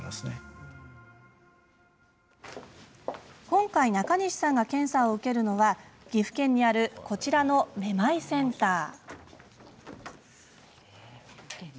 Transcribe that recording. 今回、中西さんが検査を受けるのは、岐阜県にあるこちらのめまいセンター。